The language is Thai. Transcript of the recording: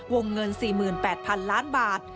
วงเงิน๔๘๐๐๐ล้านบาท